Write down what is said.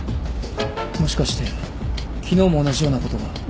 もしかして昨日も同じようなことが？